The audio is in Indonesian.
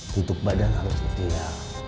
tutup badan harus ideal